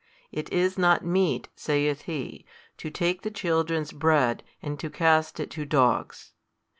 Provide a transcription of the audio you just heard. It is not meet, saith He, to take the children's bread, and to cast it to dogs.